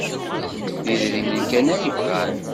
D idrimen kan ay bɣant.